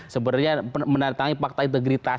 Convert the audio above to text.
sebenarnya menandai tandai fakta integritas